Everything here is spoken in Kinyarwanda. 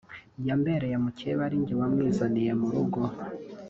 yambereye mukeba arinjye wamwizaniye mu rugo